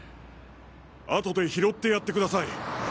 後で拾ってやってください。